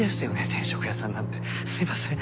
定食屋さんなんすいません